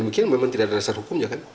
mungkin memang tidak ada dasar hukumnya kan